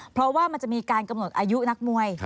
เพราะว่ามันจะมีการกำหนดอายุนักมวย